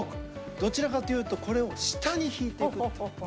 どちらかというとこれを下に引いていくっていう。